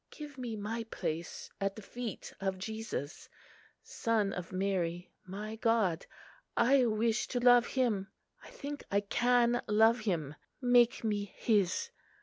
Give me my place at the feet of Jesus, Son of Mary, my God. I wish to love Him. I think I can love Him. Make me His."